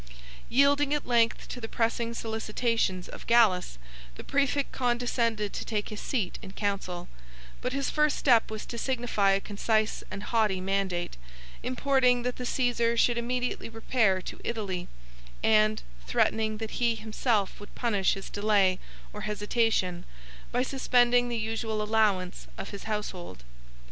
Yielding at length to the pressing solicitations of Gallus, the præfect condescended to take his seat in council; but his first step was to signify a concise and haughty mandate, importing that the Cæsar should immediately repair to Italy, and threatening that he himself would punish his delay or hesitation, by suspending the usual allowance of his household.